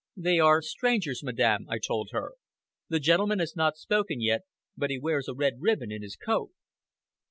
"They are strangers, Madame," I told her. "The gentleman has not spoken yet, but he wears a red ribbon in his coat."